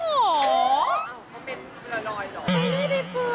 อ้าวเค้าเป็นเมุรลอยหรอ